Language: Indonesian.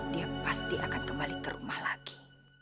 dia pasti akan kembali ke rumah lagi